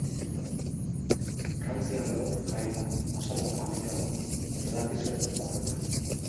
Frantzian gaur jai da, azaroak hamaika da. Ez dakit zer ospatzen den.